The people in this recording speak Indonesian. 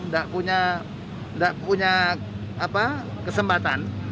tidak punya kesempatan